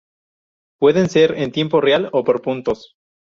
Pueden ser en tiempo real o por turnos.